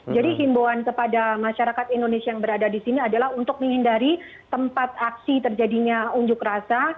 jadi himboan kepada masyarakat indonesia yang berada di sini adalah untuk menghindari tempat aksi terjadinya unjuk rasa